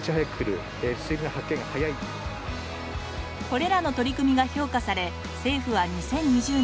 これらの取り組みが評価されＳ．Ａ．Ｆ．Ｅ．は２０２０年